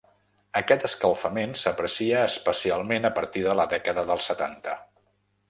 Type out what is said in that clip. Aquest escalfament s’aprecia especialment a partir de la dècada dels setanta.